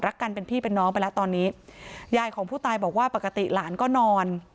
กันเป็นพี่เป็นน้องไปแล้วตอนนี้ยายของผู้ตายบอกว่าปกติหลานก็นอน